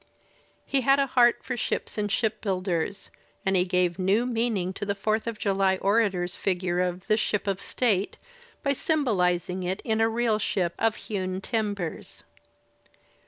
He had a heart for ships and shipbuilders, and he gave new meaning to the Fourth of July orator's figure of the "ship of state" by symbolizing it in a real ship of hewn timbers.